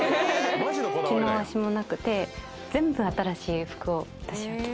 「着回しもなくて全部新しい服を私は着ています」